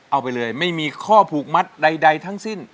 เอาไปเลยไม่มีข้อผูกมัดใดทั้งสิ้น